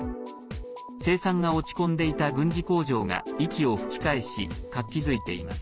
生産が落ち込んでいた軍事工場が息を吹き返し、活気づいています。